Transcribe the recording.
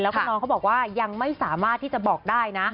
แล้วก็น้องเขาบอกว่ายังไม่สามารถที่จะบอกได้นะ